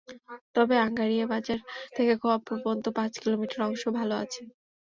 তবে আঙ্গারিয়া বাজার থেকে খোয়াজপুর পর্যন্ত পাঁচ কিলোমিটার অংশ ভালো আছে।